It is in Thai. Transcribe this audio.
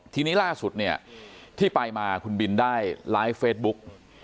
ทีนี้ล่าสุดเนี่ยที่ไปมาคุณบินได้ไลฟ์เฟซบุ๊ก